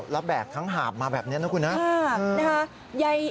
แล้วแบกทั้งหาบมาแบบนี้นะคุณนะ